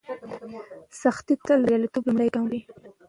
سختي تل د بریالیتوب لومړی ګام وي.